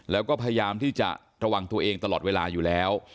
แล้วก็พยายามที่จะระวังตัวเองตลอดเวลาอยู่แล้ว